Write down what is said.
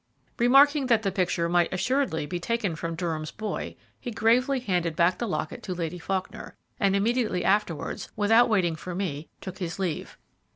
Remarking that the picture might assuredly be taken from Durham's boy, he gravely handed back the locket to Lady Faulkner, and immediately afterwards, without waiting for me, took his leave.